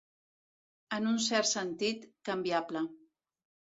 En un cert sentit, canviable.